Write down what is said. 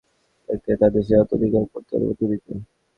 তারা সীমান্তরক্ষীদের চাপ দিতে থাকে তাদের সীমান্ত অতিক্রম করতে অনুমতি দিতে।